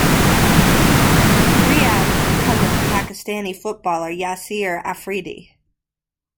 Riaz is a cousin of Pakistani footballer Yasir Afridi.